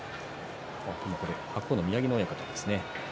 白鵬の宮城野親方がいますね。